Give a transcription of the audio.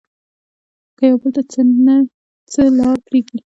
که يو بل ته څه نه څه لار پرېږدي